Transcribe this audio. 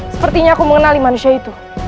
sepertinya aku mengenali manusia itu